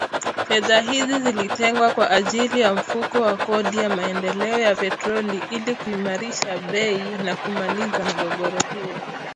fedha hizi zilitengwa kwa ajili ya Mfuko wa kodi ya Maendeleo ya Petroli ili kuimarisha bei na kumaliza mgogoro huo